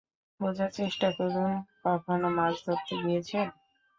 বুঝার চেষ্টা করুন, - কখনো মাছ ধরতে গিয়েছেন?